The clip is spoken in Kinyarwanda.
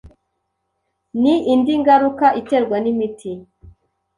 ni indi ngaruka iterwa n’imiti